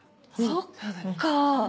そっか！